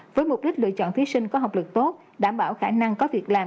với mục đích lựa chọn thí sinh có học lực tốt đảm bảo khả năng có việc làm